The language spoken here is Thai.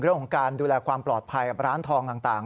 เรื่องของการดูแลความปลอดภัยกับร้านทองต่าง